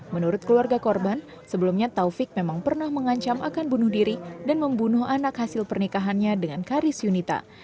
menurut keluarga korban sebelumnya taufik memang pernah mengancam akan bunuh diri dan membunuh anak hasil pernikahannya dengan karis yunita